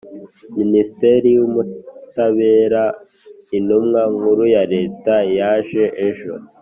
Minisitri w’ Ubutabera Intumwa Nkuru ya Leta yaje ejo.